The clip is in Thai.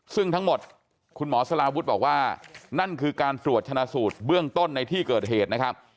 ซึ่งทั้งหมดคุณหมอสลาวุฒิบอกว่านั่นคือการตรวจชนะสูตรเบื้องต้นในที่เกิดเหตุนะครับ